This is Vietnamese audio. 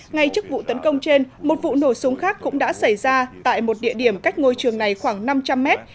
ngay trước vụ tấn công trên một vụ nổ súng khác cũng đã xảy ra tại một địa điểm cách ngôi trường này khoảng năm trăm linh mét